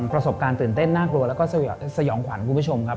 ประสบการณ์ตื่นเต้นน่ากลัวแล้วก็สยองขวัญคุณผู้ชมครับ